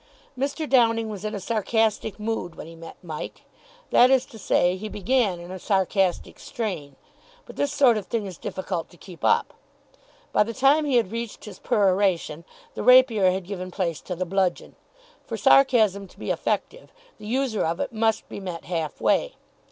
Mr. Downing was in a sarcastic mood when he met Mike. That is to say, he began in a sarcastic strain. But this sort of thing is difficult to keep up. By the time he had reached his peroration, the rapier had given place to the bludgeon. For sarcasm to be effective, the user of it must be met half way.